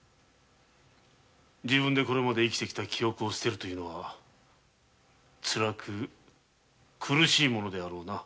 自分が今まで生きてきた記憶を捨てるのはつらく苦しいものであろうな。